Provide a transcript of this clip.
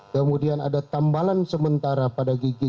kemudian ada tambalan sementara pada gigi tiga puluh lima